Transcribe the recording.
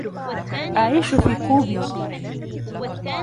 .أعيش في كوبي